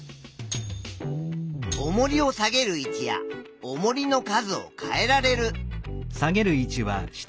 おもりを下げる位置やおもりの数を変えられる。